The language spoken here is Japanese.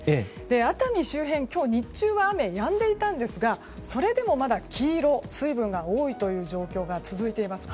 熱海周辺、今日日中は雨やんでいたんですがそれでも、まだ黄色水分が多い状況が続いています。